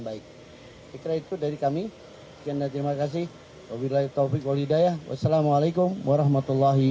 baik ikhlas itu dari kami kena terima kasih wabillahi taufiq walhidayah wassalamualaikum warahmatullahi